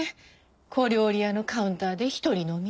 小料理屋のカウンターで一人飲み。